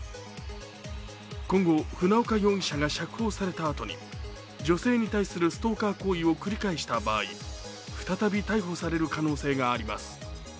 今後、船岡容疑者が釈放されたあとに女性に対するストーカー行為を繰り返した場合、再び逮捕される可能性があります。